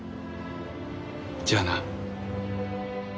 じゃあな。